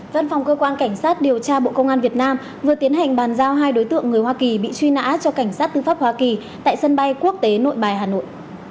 văn phòng cơ quan cảnh sát điều tra bộ công an việt nam vừa tiến hành bàn giao hai đối tượng người hoa kỳ bị truy nã cho cảnh sát tư pháp hoa kỳ tại sân bay quốc tế nội bài hà nội